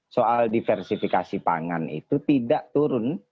soal diversifikasi pangan itu tidak turun